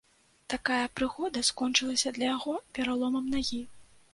Такая прыгода скончылася для яго пераломам нагі.